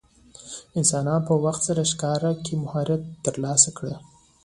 انسانانو په وخت سره ښکار کې مهارت ترلاسه کړ.